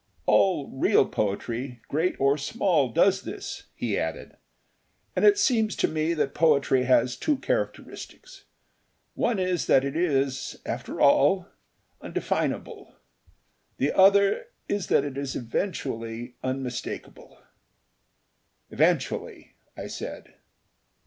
"All real poetry, great or small, does this," he added. "And it seems to me that poetry has two characteristics. One is that it is, after all, undefinable. The other is that it is eventually unmistakable/ '" 'Eventually '!" I said.